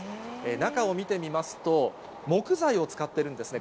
中を見てみますと、木材を使ってるんですね。